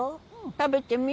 食べてみ。